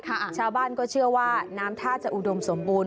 ชาวบ้านก็เชื่อว่าน้ำท่าจะอุดมสมบูรณ